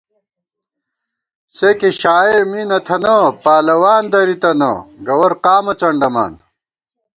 سے کی شاعر می نہ تھنہ، پالَوان درِی تَنہ، گوَر قامہ څنڈَمان